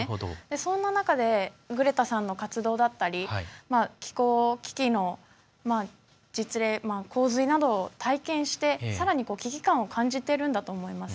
そんな中で、グレタさんの活動だったり気候危機の実例洪水などを体験してさらに危機感を感じているんだと思います。